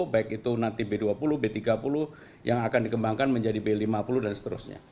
baik itu nanti b dua puluh b tiga puluh yang akan dikembangkan menjadi b lima puluh dan seterusnya